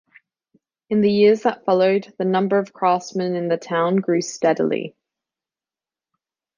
In the years that followed, the number of craftsmen in the town grew steadily.